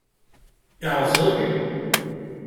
Yeɛẓeg?